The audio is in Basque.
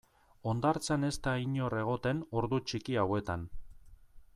Hondartzan ez da inor egoten ordu txiki hauetan.